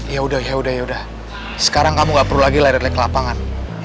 ya udah ya udah sekarang kamu nggak perlu lagi lelelek lapangan